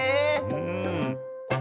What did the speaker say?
うん。